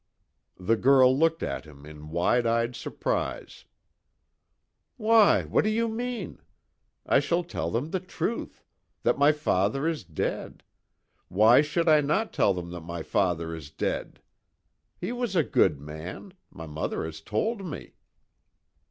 The girl looked at him in wide eyed surprise. "Why, what do you mean? I shall tell them the truth that my father is dead. Why should I not tell them that my father is dead. He was a good man. My mother has told me."